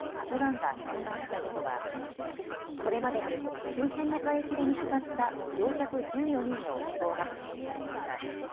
ＫＡＺＵＩが遭難した事故はこれまでに周辺の海域で見つかった乗客１４人の死亡が確認されました。